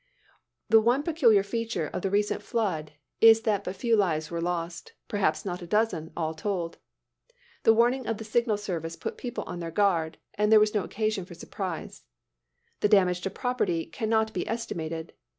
The one peculiar feature of the recent flood is that but few lives were lost perhaps not a dozen, all told. The warning of the Signal Service put people on their guard, and there was no occasion for surprise. The damage to property can not be estimated.